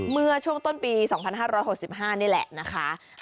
เมื่อช่วงต้นปี๒๕๖๕นี่แหละนะคะ